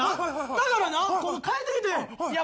だからな返ってきていや